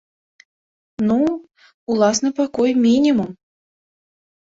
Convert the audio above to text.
Ну, уласны пакой мінімум.